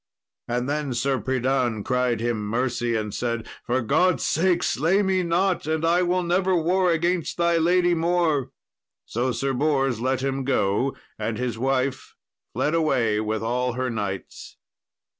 And then Sir Pridan cried him mercy, and said, "For God's sake slay me not, and I will never war against thy lady more." So Sir Bors let him go, and his wife fled away with all her knights.